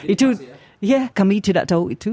itu ya kami tidak tahu itu